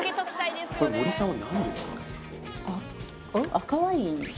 赤ワイン？